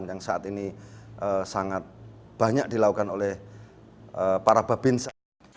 yang saat ini sangat banyak dilakukan oleh para babinsa